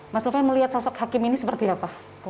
mas sofa melihat sosok hakim ini seperti apa